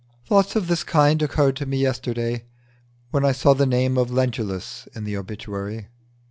Thoughts of this kind occurred to me yesterday when I saw the name of Lentulus in the obituary.